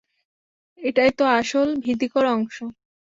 এটাই তো আসল ভীতিকর অংশ।